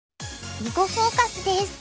「囲碁フォーカス」です。